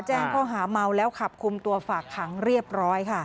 แจ้งข้อหาเมาแล้วขับคุมตัวฝากขังเรียบร้อยค่ะ